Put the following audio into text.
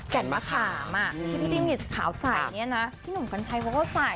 มะขามที่พี่จิ้งหลีดขาวใส่เนี่ยนะพี่หนุ่มกัญชัยเขาก็ใส่